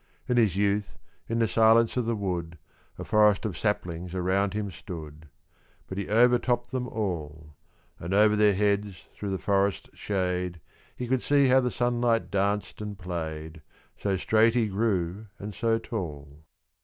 In his youth, in the silence of the wood, A forest of saplings around him stood; But he overtopped them all. And, over their heads, through the forest shade, He could see how the sunlight danced and played, So straight he grew, and so tall.